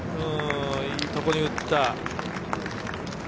いいところに打った。